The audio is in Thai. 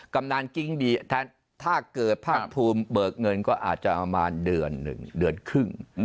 ำนานกิ๊งดีถ้าเกิดภาคภูมิเบิกเงินก็อาจจะประมาณเดือนหนึ่งเดือนครึ่ง